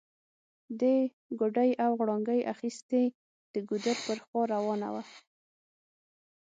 دې ګوډی او غړانګۍ اخيستي، د ګودر پر خوا روانه وه